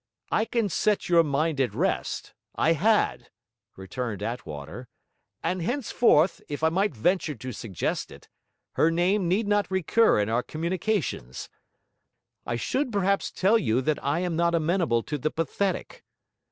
'I can set your mind at rest: I had,' returned Attwater; 'and henceforth, if I might venture to suggest it, her name need not recur in our communications. I should perhaps tell you that I am not amenable to the pathetic.'